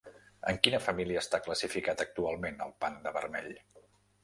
En quina família està classificat actualment el panda vermell?